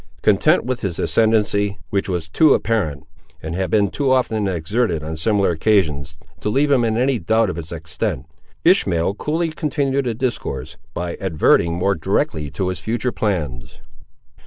Content with his ascendency, which was too apparent, and had been too often exerted on similar occasions, to leave him in any doubt of its extent, Ishmael coolly continued the discourse, by adverting more directly to his future plans.